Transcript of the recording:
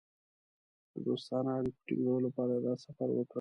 د دوستانه اړیکو ټینګولو لپاره یې دا سفر وکړ.